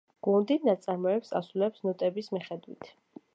გუნდი ნაწარმოებს ასრულებს ნოტების მიხედვით.